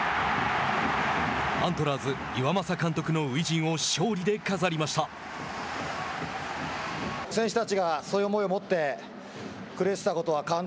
アントラーズ、岩政監督の初陣を勝利で飾りました。